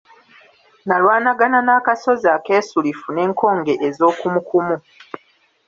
N'alwanagana n'akasozi akeesulifu n'enkonge ez'okumukumu.